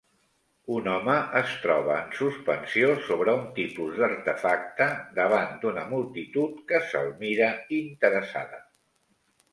Un home es troba en suspensió sobre un tipus d'artefacte davant d'una multitud que se'l mira interessada.